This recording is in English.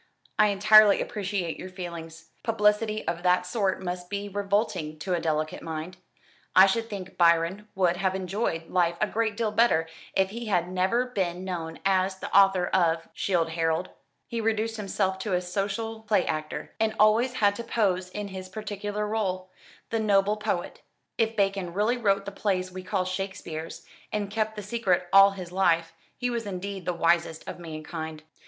"I entirely appreciate your feelings. Publicity of that sort must be revolting to a delicate mind. I should think Byron would have enjoyed life a great deal better if he had never been known as the author of 'Childe Harold.' He reduced himself to a social play actor and always had to pose in his particular rôle the Noble Poet. If Bacon really wrote the plays we call Shakespeare's, and kept the secret all his life, he was indeed the wisest of mankind."